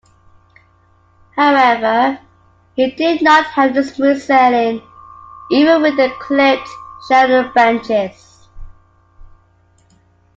However, he did not have a smooth sailing even with the clipped Sharia Benches.